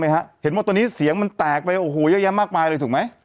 เห็นว่าตอนนี้เสียงมันแตกไปโอ้โหเยอะแยะมากมายเลยถูกไหม